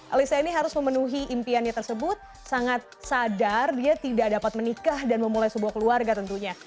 alisa ini harus memenuhi impiannya tersebut sangat sadar dia tidak dapat menikah dan memulai sebuah keluarga tentunya